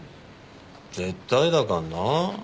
絶対だかんな。